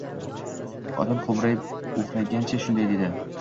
Xotin xo`mrayib-o`qraygancha shunday dedi